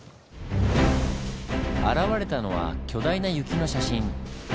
現れたのは巨大な雪の写真。